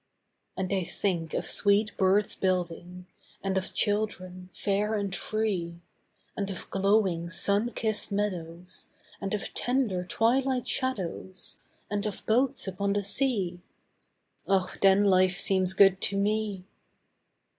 And I think of sweet birds building, And of children fair and free; And of glowing sun kissed meadows, And of tender twilight shadows, And of boats upon the sea. Oh, then life seems good to me!